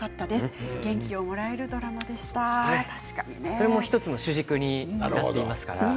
それも１つの主軸になっていますね。